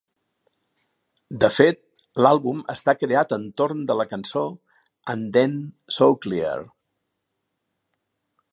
De fet, l'àlbum està creat entorn de la cançó "And Then So Clear".